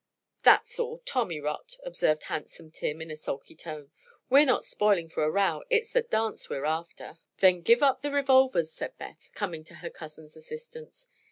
"That's all tommy rot," observed Handsome Tim, in a sulky tone. "We're not spoiling for a row; it's the dance we're after." "Then give up the revolvers," said Beth, coming to her cousin's assistance.